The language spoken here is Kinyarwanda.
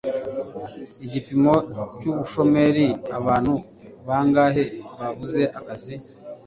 igipimo cy'ubushomeri abantu bangahe babuze akazi